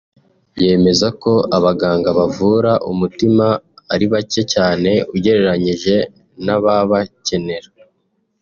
yemeza ko abaganga bavura umutima ari bake cyane ugereranyije n’ababakenera